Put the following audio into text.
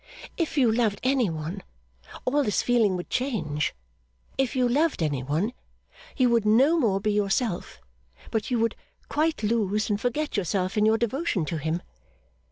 'If you loved any one, all this feeling would change. If you loved any one, you would no more be yourself, but you would quite lose and forget yourself in your devotion to him.